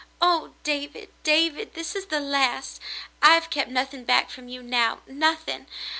Oh, David, David, this is the last. I have kept nothing back from you now, nothing.